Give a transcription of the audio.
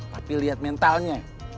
tapi liat mentalnya